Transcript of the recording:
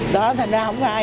đó thành ra không có ai